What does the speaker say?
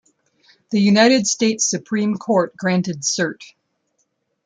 The United States Supreme Court granted cert.